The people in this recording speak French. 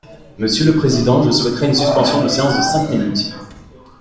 Monsieur le président, je souhaiterais une suspension de séance de cinq minutes.